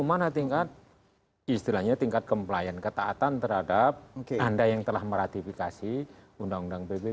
mana tingkat istilahnya tingkat komplain ketaatan terhadap anda yang telah meratifikasi undang undang nomor tujuh tahun dua ribu enam